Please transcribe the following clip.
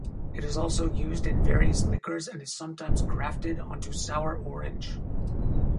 It is also used in various liquors and is sometimes grafted onto sour orange.